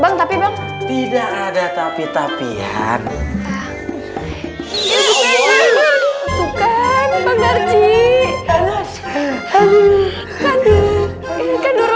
bang tapi tidak ada tapi tapi hadir